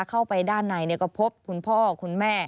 เข้าไปด้านในก็พบคุณพ่อคุณแม่